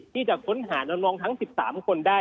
ที่จะค้นหาน้องทั้ง๑๓คนได้